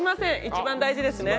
一番大事ですね。